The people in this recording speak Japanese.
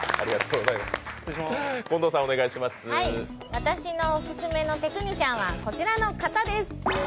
私のオススメのテクニシャンは、こちらの方です。